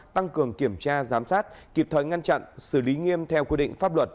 tăng cường kiểm tra giám sát kịp thời ngăn chặn xử lý nghiêm theo quy định pháp luật